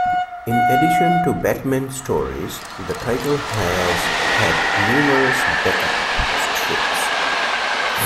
In addition to the Batman stories, the title has had numerous back-up strips.